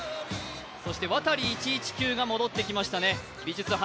ワタリ１１９が戻ってきましたね。